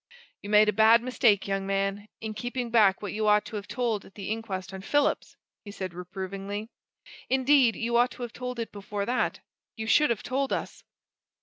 "You made a bad mistake, young man, in keeping back what you ought to have told at the inquest on Phillips!" he said, reprovingly. "Indeed, you ought to have told it before that you should have told us."